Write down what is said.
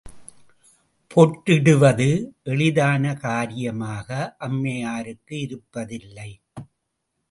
பொட்டிடுவது எளிதான காரியமாக அம்மையாருக்கு இருப்பதில்லை.